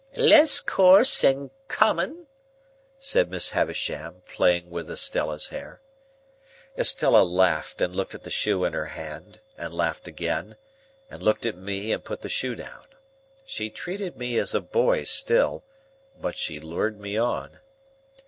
"Less coarse and common?" said Miss Havisham, playing with Estella's hair. Estella laughed, and looked at the shoe in her hand, and laughed again, and looked at me, and put the shoe down. She treated me as a boy still, but she lured me on.